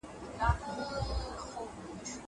زه اجازه لرم چي بازار ته ولاړ سم.